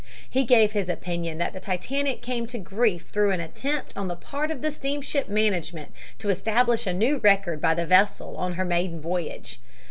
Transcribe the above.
He gave his opinion that the Titanic came to grief through an attempt on the part of the steamship management to establish a new record by the vessel on her maiden voyage.